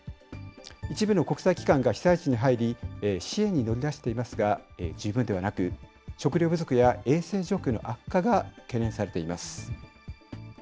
一部の国際機関が被災地に入り、支援に乗り出していますが、十分ではなく、食料不足や衛生状況の悪化が懸念されています。